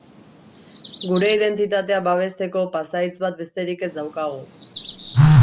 Gure identitatea babesteko pasahitz bat besterik ez daukagu.